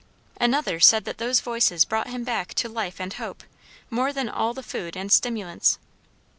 Another said that those voices brought him back to life and hope, more than all the food and stimulants.